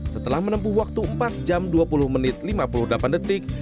setelah menempuh waktu empat jam dua puluh menit lima puluh delapan detik